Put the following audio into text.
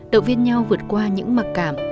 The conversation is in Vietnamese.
động viên nhau vượt qua những mặc cảm